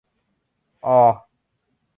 ออ